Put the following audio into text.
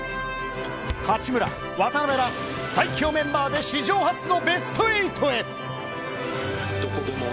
八村、渡邉ら最強メンバーで史上初のベスト８へ。